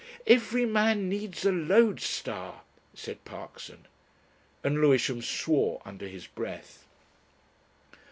"Every man needs a Lode Star," said Parkson and Lewisham swore under his breath.